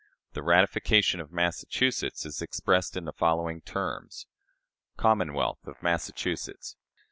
The ratification of Massachusetts is expressed in the following terms: "COMMONWEALTH OF MASSACHUSETTS.